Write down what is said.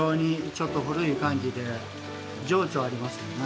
ちょっと古い感じで情緒ありますよね。